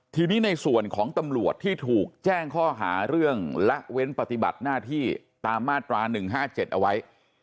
ทีนี้ในส่วนของตำรวจที่ถูกแจ้งข้อหาเรื่องละเว้นปฏิบัติหน้าที่ตามมาตรา๑๕๗เอาไว้